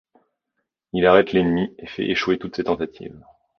Il arrête l'ennemi et fait échouer toutes ses tentatives.